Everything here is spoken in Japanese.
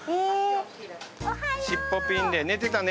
尻尾ピンで寝てたね。